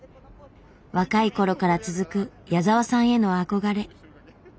若いころから続く矢沢さんへの憧れ。